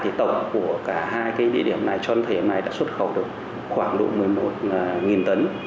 thì tổng của cả hai địa điểm này cho đến thời điểm này đã xuất khẩu được khoảng độ một mươi một tấn